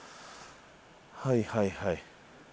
はいはいはい。